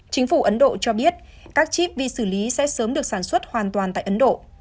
chính phủ ấn độ cho biết các chip vi xử lý sẽ sớm được sản xuất hoàn toàn tại ấn độ